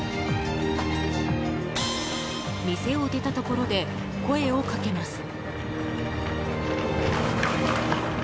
店を出たところで声をかけます。